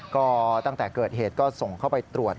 ก็ตั้งแต่เกิดเหตุก็ส่งเข้าไปตรวจ